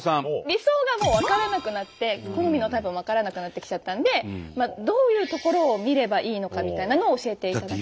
理想がもう分からなくなって好みのタイプも分からなくなってきちゃったんでどういうところを見ればいいのかみたいなのを教えていただきたい。